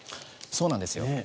そうなんですよ。